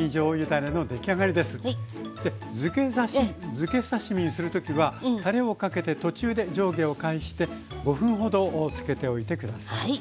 づけ刺身にする時はたれをかけて途中で上下を返して５分ほどつけておいて下さい。